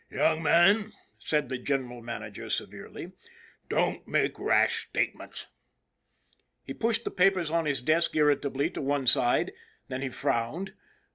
Young man," said the General Manager, severely, " don't make rash statements." He pushed the papers on his desk irritably to one side. Then he frowned.